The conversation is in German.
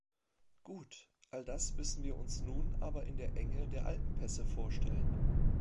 Gut, all das müssen wir uns nun aber in der Enge der Alpenpässe vorstellen.